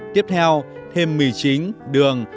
tiếp theo thêm mì chính đường